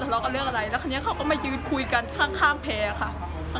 หนูไม่รู้ค่ะเขาทะเลากันเองอ่ะค่ะ